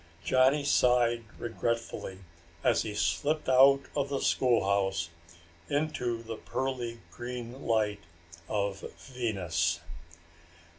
Johnny sighed regretfully as he slipped out of the schoolhouse into the pearly green light of Venus.